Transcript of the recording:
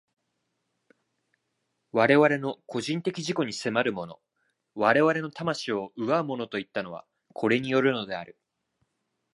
我々の個人的自己に迫るもの、我々の魂を奪うものといったのは、これによるのである。